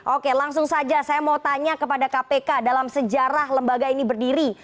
oke langsung saja saya mau tanya kepada kpk dalam sejarah lembaga ini berdiri